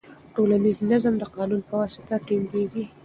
ټولنیز نظم د قانون په واسطه ټینګیږي.